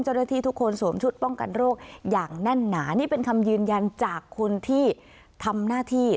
เจ้าหน้าที่ทุกคนสวมชุดป้องกันโรคอย่างแน่นหนานี่เป็นคำยืนยันจากคนที่ทำหน้าที่